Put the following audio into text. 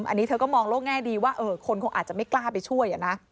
อันนี้เธอก็มองโลกแง่ดีว่าคนคงอาจจะไม่กล้าไปช่วย